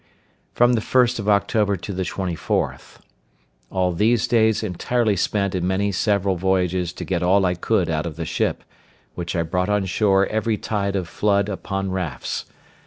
From the 1st of October to the 24th.—All these days entirely spent in many several voyages to get all I could out of the ship, which I brought on shore every tide of flood upon rafts.